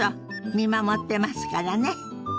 見守ってますからね。